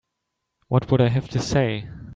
What would I have to say?